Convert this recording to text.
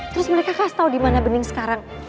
terus mereka kasih tau dimana bening sekarang